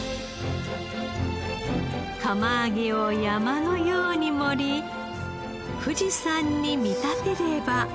釜揚げを山のように盛り富士山に見立てれば。